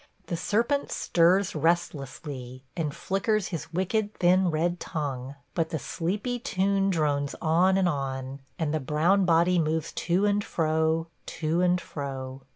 The serpent stirs restlessly, and flickers his wicked, thin red tongue; but the sleepy tune drones on and on, and the brown body moves to and fro – to and fro.